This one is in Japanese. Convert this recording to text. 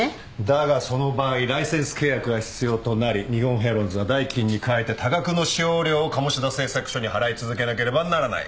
だがその場合ライセンス契約が必要となり日本ヘロンズは代金に加えて多額の使用料を鴨志田製作所に払い続けなければならない。